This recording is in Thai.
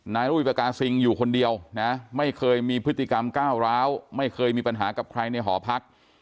รุยปากาซิงอยู่คนเดียวนะไม่เคยมีพฤติกรรมก้าวร้าวไม่เคยมีปัญหากับใครในหอพัก